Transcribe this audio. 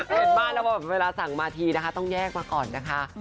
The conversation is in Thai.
มากแล้วเวลาสั่งมาทีนะคะต้องแยกมาก่อนนะคะ